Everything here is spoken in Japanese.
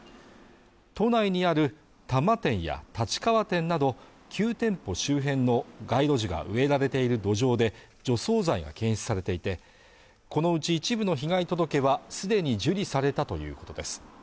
都内にある多摩店や立川店など９店舗周辺の街路樹が植えられている土壌で除草剤が検出されていてこのうち一部の被害届はすでに受理されたということです